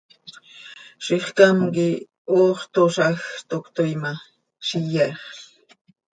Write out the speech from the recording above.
Zixcám quih hoox toozaj, toc cötoii ma, z iyexl.